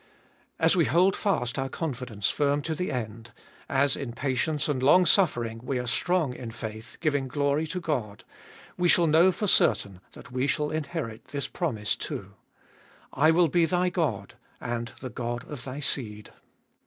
As we hold fast our con fidence firm to the end, as in patience and longsuffering we are strong in faith, giving glory to God, we shall know for certain that we shall inherit this promise too. I will be thy God and the God of thy seed.